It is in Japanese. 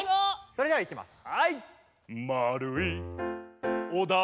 それではいきます。